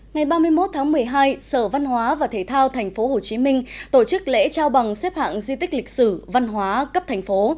ngày ba mươi một tháng một mươi hai sở văn hóa và thể thao tp hcm tổ chức lễ trao bằng xếp hạng di tích lịch sử văn hóa cấp thành phố